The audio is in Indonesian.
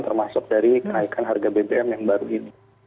termasuk dari kenaikan harga bbm yang baru ini